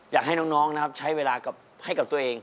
อยากให้น้องนะครับใช้เวลาให้กับตัวเอง